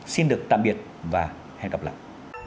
xin được tạm biệt và hẹn gặp lại